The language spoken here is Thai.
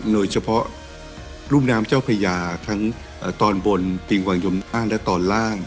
โดยเฉพาะลูมนามเจ้าพระยาทั้งตอนบนพีแหวงหยมล่างและตอนล่าง